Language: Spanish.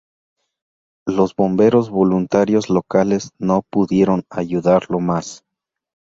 Los bomberos voluntarios locales no pudieron ayudarlo más.